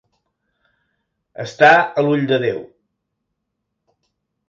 Estar a l'ull de Déu.